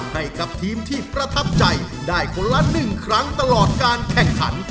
ให้กับทีมที่ประทับใจได้คนละ๑ครั้งตลอดการแข่งขัน